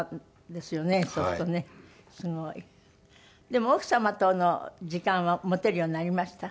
でも奥様との時間は持てるようになりました？